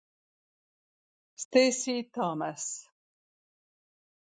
Stacey Thomas